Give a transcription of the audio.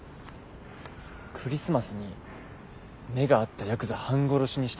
クリスマスに目が合ったヤクザ半殺しにしたってマジ？